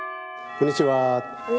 こんにちは。